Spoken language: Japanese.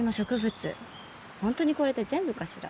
本当にこれで全部かしら？